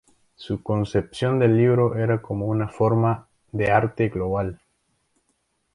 Su concepción del libro era como una forma de arte global.